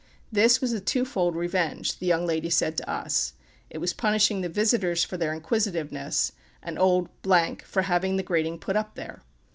This was a twofold revenge, the young lady said to us: it was punishing the visitors for their inquisitiveness, and "old " for having the grating put up there.